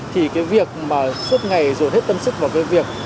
thì cái việc mà suốt ngày rồi hết tâm sức của người lao động